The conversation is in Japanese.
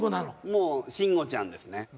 もう慎吾ちゃんですね。